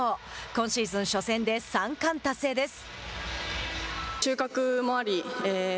今シーズン初戦で３冠達成です。